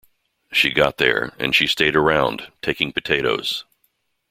She got there, and she stayed around, taking potatoes.